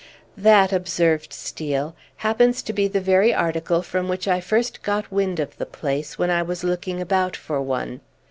"That," observed Steel, "happens to be the very article from which I first got wind of the place, when I was looking about for one.